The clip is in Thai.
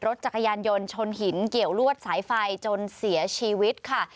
รถจักรยานยนต์ชนหินเกี่ยวลวดสายไฟจนเสียชีวิตค่ะ